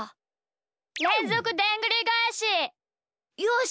れんぞくでんぐりがえし！よし！